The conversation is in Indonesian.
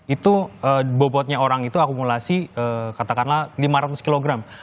itu bobotnya orang itu akumulasi katakanlah lima ratus kilogram